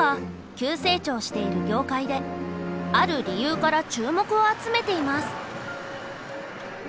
急成長している業界である理由から注目を集めています。